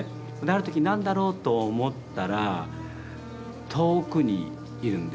ある時何だろうと思ったら遠くにいるんですね。